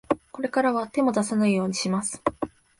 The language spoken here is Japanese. これからは、手も出さないようにします。